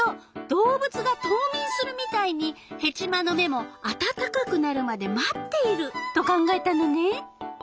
動物が冬眠するみたいにヘチマの芽もあたたかくなるまで待っていると考えたのね。